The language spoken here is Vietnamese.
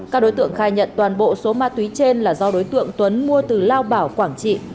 các đối tượng khai nhận toàn bộ số ma túy trên là do đối tượng tuấn mua từ lao bảo quảng trị